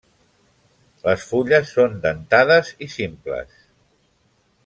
Les fulles són dentades i simples.